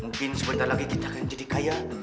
mungkin sebentar lagi kita akan jadi kaya